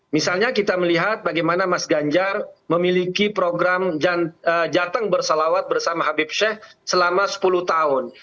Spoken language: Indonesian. misalnya kita melihat bagaimana mas ganjar memiliki program jateng bersalawat bersama habib sheikh selama sepuluh tahun